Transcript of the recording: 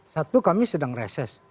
satu kami sedang reses